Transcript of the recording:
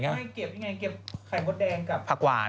ไขมดแดงกับผักหวาน